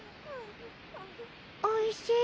おいしい。